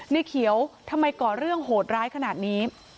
ในเขียวทำไมก่อเรื่องโหดร้ายขนาดนี้